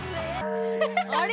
あれ？